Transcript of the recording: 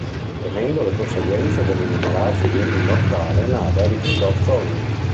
Temendo le conseguenze nell'innamorarsi di un immortale, Nada rifiutò Sogno.